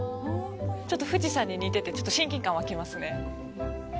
ちょっと富士山に似てて親近感が湧きますね。